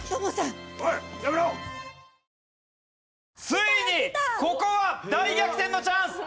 ついにここは大逆転のチャンス！